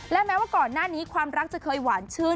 และแม้ว่าก่อนหน้านี้ความรักจะเคยหวานชื่น